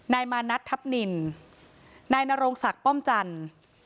นายมานัททัพนินนายนโรงศักดิ์ป้อมจันทร์